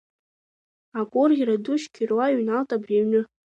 Агәырӷьара ду шьқьыруа иҩналт абри аҩны.